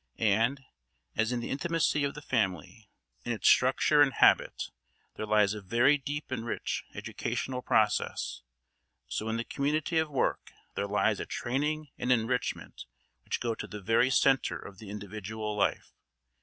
And, as in the intimacy of the family, in its structure and habit, there lies a very deep and rich educational process, so in the community of work there lies a training and enrichment which go to the very centre of the individual life.